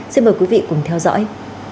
xin mời quý vị cùng theo dõi